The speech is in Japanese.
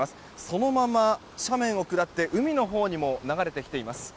そのまま斜面を下って海のほうにも流れてきています。